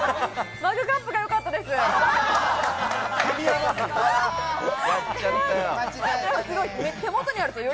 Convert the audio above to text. マグカップがよかったですよ。